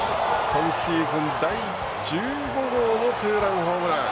今シーズン第１５号のツーランホームラン。